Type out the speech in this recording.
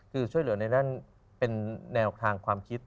คือช่วยเหลือในด้านเป็นแนวทางความคิด